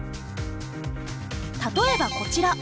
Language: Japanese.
例えばこちら。